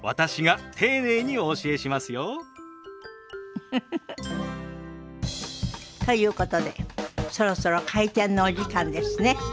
ウフフフ。ということでそろそろ開店のお時間ですね。